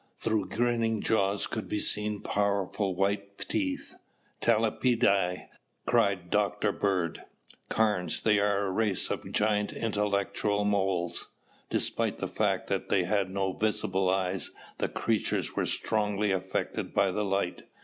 Through grinning jaws could be seen powerful white teeth. "Talpidae!" cried Dr. Bird. "Carnes, they are a race of giant intellectual moles!" Despite the fact that they had no visible eyes, the creatures were strongly affected by the light.